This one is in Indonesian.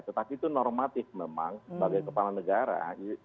tetapi itu normatif memang sebagai kepala negara